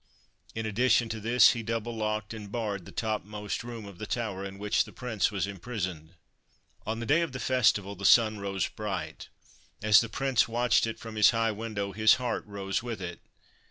In addition to this, he double locked and barred the topmost room of the tower in which the Prince was imprisoned. On the day of the festival, the sun rose bright. As the Prince watched it from his high window, his heart rose with it.